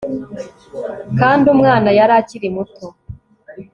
kandi umwana yari akiri muto